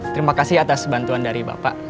terima kasih atas bantuan dari bapak